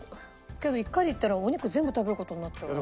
けど一回でいったらお肉全部食べる事になっちゃうな。